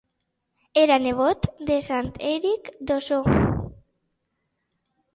Era nebot de Sant Enric d'Ossó.